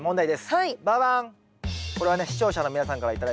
はい。